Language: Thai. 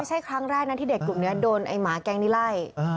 ไม่ใช่ครั้งแรกนะที่เด็กกลุ่มนี้โดนไอ้หมาแก๊งนี้ไล่